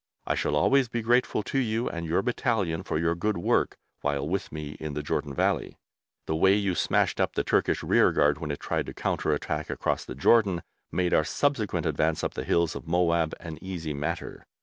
I shall always be grateful to you and your battalion for your good work while with me in the Jordan Valley. The way you smashed up the Turkish rearguard when it tried to counter attack across the Jordan made our subsequent advance up the hills of Moab an easy matter.